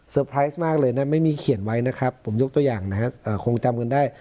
ไพรส์มากเลยนะไม่มีเขียนไว้นะครับผมยกตัวอย่างนะครับคงจำกันได้